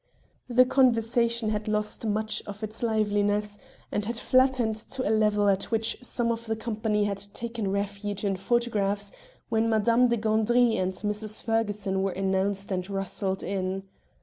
The conversation had lost much of its liveliness, and had flattened to a level at which some of the company had taken refuge in photographs when Madame de Gandry and Mrs. Ferguson were announced and rustled in.